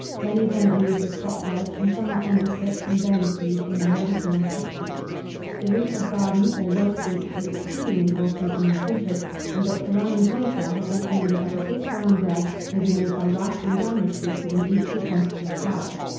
Many of them are used as potherbs, and some are emetic and vermifuge in their medicinal properties. The root of garden or red beet is exceedingly wholesome and nutritious, and Dr. Lyon Playfair has recommended that a good brown bread may be made by rasping down this root with an equal quantity of flour.